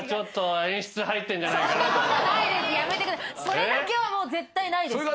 それだけは絶対ないです。